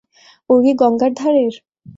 ঐ গঙ্গার ধারের?